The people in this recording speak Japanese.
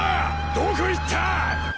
どこ行ったぁ！